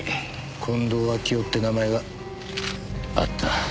近藤秋夫って名前があった。